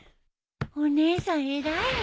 お姉さん偉いね！